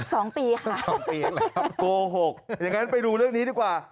สองปีค่ะโกหกอย่างนั้นไปดูเรื่องนี้ดีกว่า